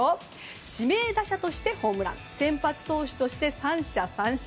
指名打者としてホームラン先発投手として三者三振。